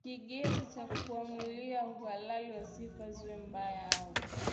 kigezo cha kuamulia uhalali wa sifa ziwe mbaya au